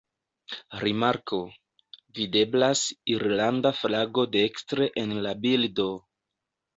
Rimarko: Videblas irlanda flago dekstre en la bildo.